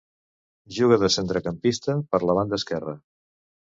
Juga de centrecampista per la banda esquerra.